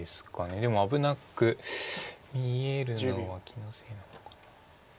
でも危なく見えるのは気のせいなのかな。